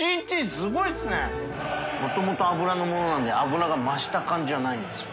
もともと油のものなので油が増した感じはないんですよ。